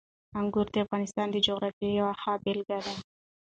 انګور د افغانستان د جغرافیې یوه ښه بېلګه ده.